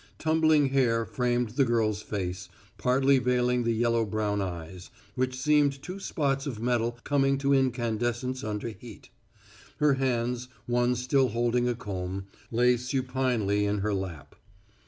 Tumbling hair framed the girl's face, partly veiling the yellow brown eyes, which seemed two spots of metal coming to incandescence under heat. Her hands, one still holding a comb, lay supinely in her lap.